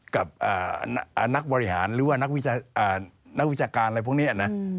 กับนักบริหารหรือว่านักวิชาการอะไรพวกนี้นะ